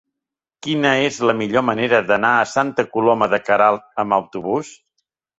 Quina és la millor manera d'anar a Santa Coloma de Queralt amb autobús?